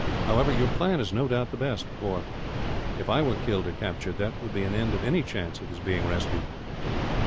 However, your plan is no doubt the best for, if I were killed or captured, there would be an end of any chance of his being rescued."